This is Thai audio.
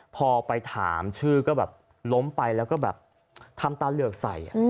พอไปถามชื่อก็แบบล้มไปแล้วก็แบบทำตาเหลือกใส่